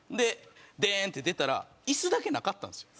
デーンって出たらイスだけなかったんですよ。